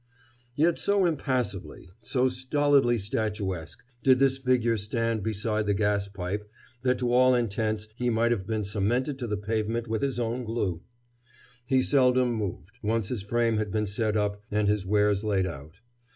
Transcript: Yet so impassively, so stolidly statuesque, did this figure stand beside the gas pipe that to all intents he might have been cemented to the pavement with his own glue. He seldom moved, once his frame had been set up and his wares laid out.